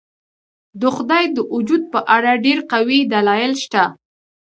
د خدای د وجود په اړه ډېر قوي دلایل شته.